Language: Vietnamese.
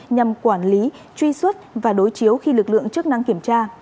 nhằm quản lý truy xuất và đối chiếu khi lực lượng chức năng kiểm tra